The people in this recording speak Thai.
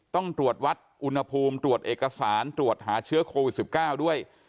ต้องตรวจวัดอุณหภูมิตรวจเอกสารตรวจหาเชื้อโควิด๑๙ด้วย